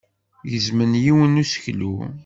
Gezmen yiwen n useklu.